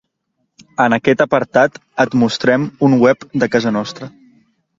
En aquest apartat et mostrem un web de casa nostra.